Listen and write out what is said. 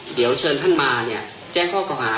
เดี๋ยวเชิญท่านมาเนี่ยแจ้งข้อเก่าหา